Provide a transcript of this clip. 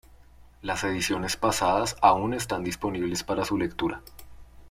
Las ediciones pasadas aún están disponibles para su lectura.